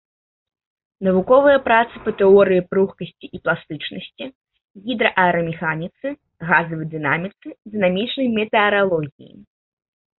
Навуковыя працы па тэорыі пругкасці і пластычнасці, гідрааэрамеханіцы, газавай дынаміцы, дынамічнай метэаралогіі.